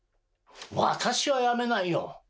私は辞めないよ。